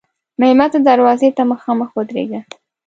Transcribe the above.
مېلمه ته دروازې ته مخامخ ودریږه.